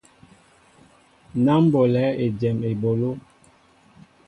Ná ḿ ɓolɛέ éjem eɓoló.